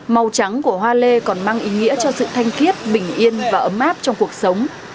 màu trắng của hoa lê còn mang ý nghĩa cho sự thanh kiết bình yên và ấm áp trong cuộc sống